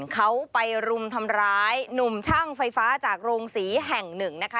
เขาไปรุมทำร้ายหนุ่มช่างไฟฟ้าจากโรงศรีแห่งหนึ่งนะคะ